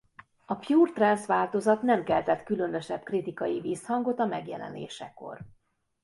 A Pure Trance változat nem keltett különösebb kritikai visszhangot a megjelenésekor.